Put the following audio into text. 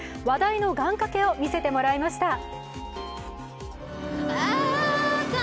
話題の願かけを見せてもらいました。